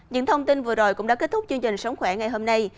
những thông tin vừa rồi cũng đã kết thúc chương trình sống khỏe ngày hôm nay